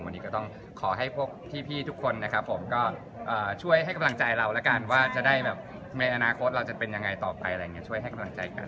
วันนี้ก็ต้องขอให้พวกพี่ทุกคนนะครับผมก็ช่วยให้กำลังใจเราแล้วกันว่าจะได้แบบในอนาคตเราจะเป็นยังไงต่อไปอะไรอย่างนี้ช่วยให้กำลังใจกัน